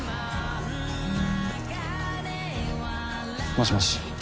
もしもし。